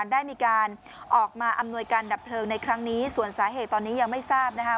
ได้มีการออกมาอำนวยการดับเพลิงในครั้งนี้ส่วนสาเหตุตอนนี้ยังไม่ทราบนะคะ